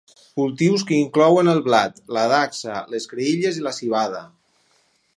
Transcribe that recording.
Cultius que inclouen el blat, la dacsa, les creïlles i la civada.